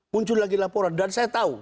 muncul lagi laporan dan saya tahu